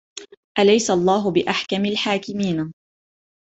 أليس الله بأحكم الحاكمين